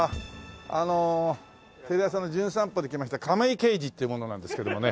あのテレ朝の『じゅん散歩』で来ました亀井刑事っていう者なんですけどもね。